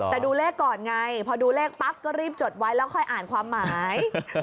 แต่ดูเลขก่อนไงพอดูเลขปั๊บก็รีบจดไว้แล้วค่อยอ่านความหมาย